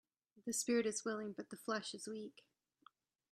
The spirit is willing but the flesh is weak